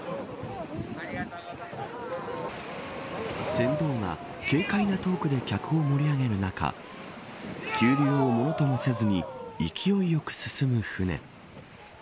船頭が軽快なトークで客を盛り上げる中急流をものともせずに勢いよく進む舟。